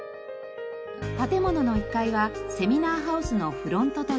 建物の１階はセミナーハウスのフロントと事務所。